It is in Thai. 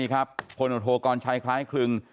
คนโทรกรใช้คล้ายคลึง